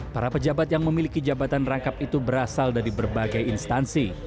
para pejabat yang memiliki jabatan rangkap itu berasal dari berbagai instansi